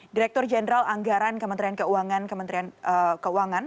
direktur jenderal anggaran kementerian keuangan kementerian keuangan